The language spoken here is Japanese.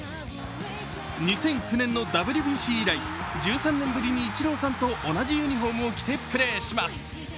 ２００９年のＷＢＣ以来、１３年ぶりにイチローさんと同じユニフォームを着てプレーします。